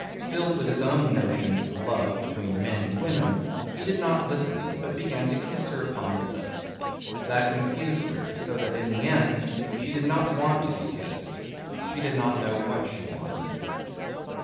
Filled with his own notions of love between men and women, he did not listen but began to kiss her upon the lips. That confused her so that in the end she did not want to be kissed. She did not know what she wanted.